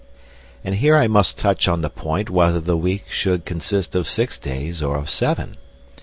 And here I must touch on the point whether the week should consist of six days or of seven.